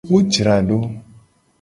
Wo jra do.